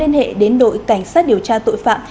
liên hệ đến đội cảnh sát điều tra tội phạm